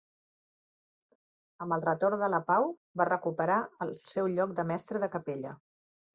Amb el retorn de la pau, va recuperar el seu lloc de mestre de capella.